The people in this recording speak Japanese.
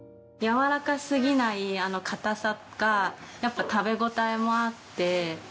やわらかすぎない硬さがやっぱ食べ応えもあって。